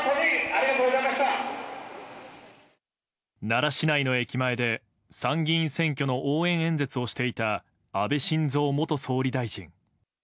奈良市内の駅前で参議院選挙の応援演説をしていた安倍晋三元総理大臣。